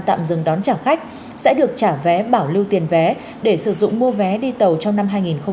tạm dừng đón trả khách sẽ được trả vé bảo lưu tiền vé để sử dụng mua vé đi tàu trong năm hai nghìn hai mươi